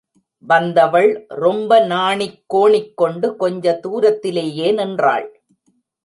வந்தவள், ரொம்ப நாணிகோணிக் கொண்டு கொஞ்ச தூரத்திலேயே நின்றாள்.